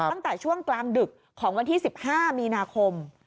ตั้งแต่ช่วงกลางดึกของวันที่๑๕มีนาคม